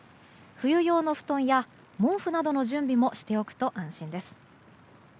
冬用の布団や毛布などの準備もしておくと安心です。